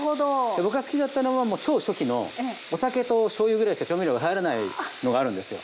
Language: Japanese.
僕が好きだったのはもう超初期のお酒としょうゆぐらいしか調味料が入らないのがあるんですよ。